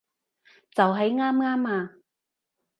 就喺啱啱啊